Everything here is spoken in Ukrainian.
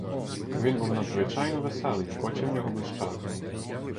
Він був надзвичайно веселий, очі в нього блищали.